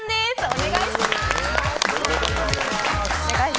お願いします。